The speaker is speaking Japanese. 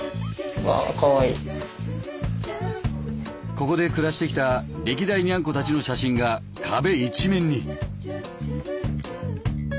ここで暮らしてきた歴代ニャンコたちの写真が壁一面に。